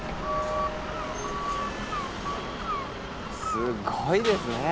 すごいですねえ。